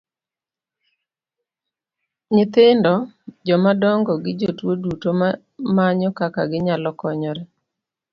Nyithindo, joma dongo gi jotuo duto manyo kaka ginyalo konyore.